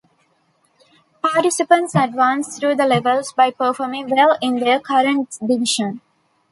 Participants advance through the levels by performing well in their current division.